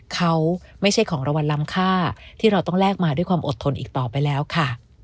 เขาไม่ใช่ของรางวัลล้ำค่าที่เราต้องแลกมาด้วยความอดทนอีกต่อไปแล้วค่ะ